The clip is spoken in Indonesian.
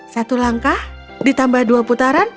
satu langkah ditambah dua putaran